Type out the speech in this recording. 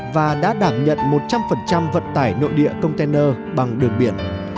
và đã đảm nhận một trăm linh vận tải nội địa container bằng đường biển